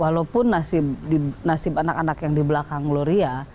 walaupun nasib anak anak yang di belakang gloria